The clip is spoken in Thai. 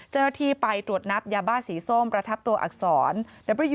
เจ้าหน้าที่ไปตรวจนับยาบ้าสีส้มประทับตัวอักษร